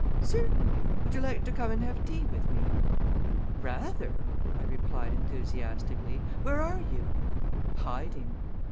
"Certainly. Would you like to come and have tea with me?" "Rather!" I replied enthusiastically. "Where are you?" "Hiding!"